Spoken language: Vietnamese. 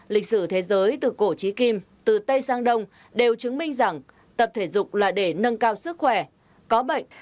lịch sử thế giới từ cổ trí kim từ tây sang đông đều chứng minh rằng tập thể dục là để nâng cao sức khỏe có bệnh